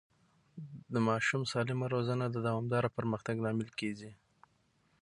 د ماشوم سالمه روزنه د دوامدار پرمختګ لامل کېږي.